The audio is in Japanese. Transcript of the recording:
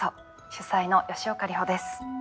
主宰の吉岡里帆です。